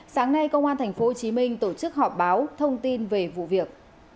sáng nay công an tp hcm tổ chức họp báo thông tin về vụ việc